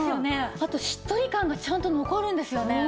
あとしっとり感がちゃんと残るんですよね。